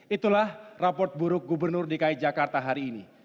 itulah raport buruk gubernur dki jakarta hari ini